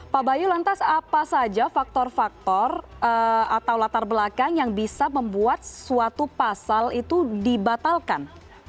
pak bayu lantas apa saja faktor faktor atau latar belakang yang bisa membuat suatu pasal itu dibatalkan